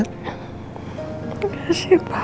terima kasih papa